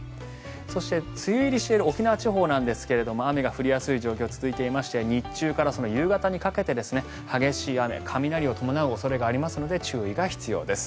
梅雨入りしている沖縄地方なんですが雨が降りやすい状況が続いていまして日中から夕方にかけて激しい雨雷を伴う恐れがありますので注意が必要です。